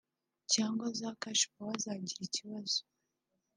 cyangwa za “cash power” zagira ikibazo